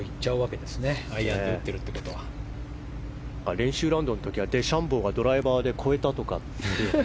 練習ラウンドの時はデシャンボーがドライバーで越えたという。